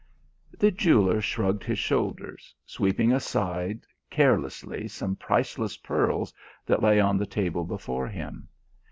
The jeweller shrugged his shoulders, sweeping aside carelessly some priceless pearls that lay on the table before him.